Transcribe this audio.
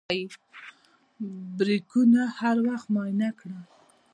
بریکونه هر وخت معاینه کړه.